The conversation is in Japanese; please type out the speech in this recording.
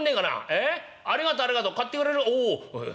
ええ？ありがとありがと買ってくれるおお。